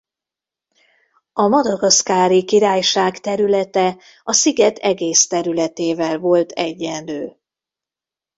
A Madagaszkári Királyság területe a sziget egész területével volt egyenlő.